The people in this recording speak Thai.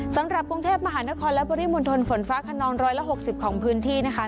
สำหรับกรุงเทพมหานครและปริมณฑลฝนฟ้าขนอง๑๖๐ของพื้นที่นะคะ